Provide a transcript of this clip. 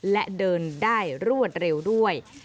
และเดินได้รวดเร็วด้วย